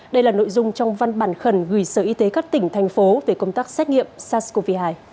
đây là nội dung trong văn bản khẩn gửi sở y tế các tỉnh thành phố về công tác xét nghiệm sars cov hai